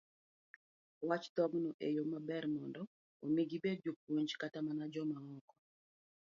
wacho dhokgo e yo maber mondo omi gibed jopuonj kata mana joma loko